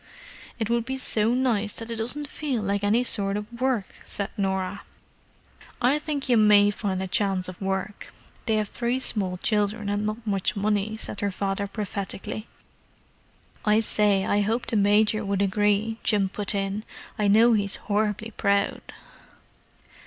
"It would be so nice that it doesn't feel like any sort of work!" said Norah. "I think you may find a chance of work; they have three small children, and not much money," said her father prophetically. "I say, I hope the Major would agree," Jim put in. "I know he's horribly proud."